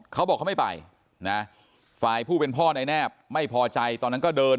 เขาบอกเขาไม่ไปนะฝ่ายผู้เป็นพ่อในแนบไม่พอใจตอนนั้นก็เดิน